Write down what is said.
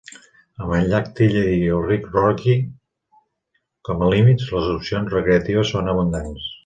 Amb el llac Tillery i el riu Rocky com a límits, les opcions recreatives són abundants.